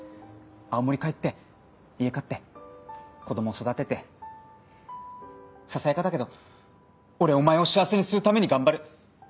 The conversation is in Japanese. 青森帰って家買って子供育ててささやかだけど俺お前を幸せにするために頑張る。